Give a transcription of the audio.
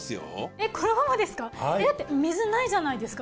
えっこのままですか？